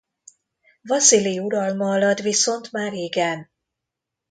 Vaszilij uralma alatt viszont már igen.